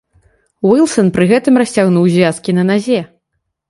Уілсан пры гэтым расцягнуў звязкі на назе.